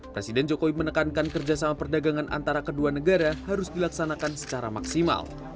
presiden jokowi menekankan kerjasama perdagangan antara kedua negara harus dilaksanakan secara maksimal